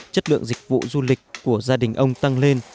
chất lượng dịch vụ du lịch của gia đình ông tăng lên